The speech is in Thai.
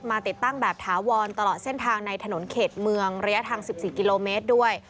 ติดตั้งแบบถาวรตลอดเส้นทางในถนนเขตเมืองระยะทาง๑๔กิโลเมตรด้วย